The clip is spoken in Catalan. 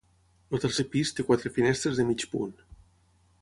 El tercer pis té quatre finestres de mig punt.